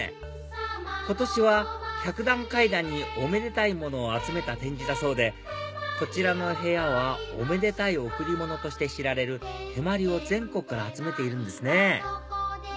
今年は百段階段におめでたいものを集めた展示だそうでこちらの部屋はおめでたい贈り物として知られる手まりを全国から集めているんですね